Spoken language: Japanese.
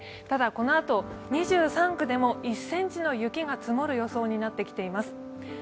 ただ、このあと、２３区でも１ｃｍの雪が積もる予想になっています。